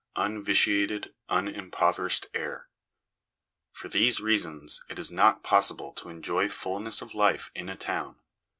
Un vitiated, Unimpoverished Air. For these reasons, it is not possible to enjoy fulness of life in a town.